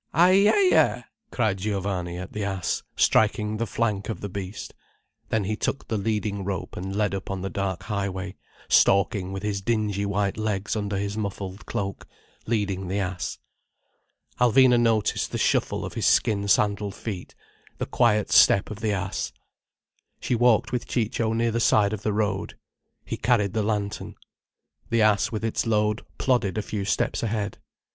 "Ay er er!" cried Giovanni at the ass, striking the flank of the beast. Then he took the leading rope and led up on the dark high way, stalking with his dingy white legs under his muffled cloak, leading the ass. Alvina noticed the shuffle of his skin sandalled feet, the quiet step of the ass. She walked with Ciccio near the side of the road. He carried the lantern. The ass with its load plodded a few steps ahead.